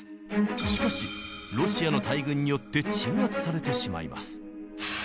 しかしロシアの大軍によって鎮圧されてしまいます。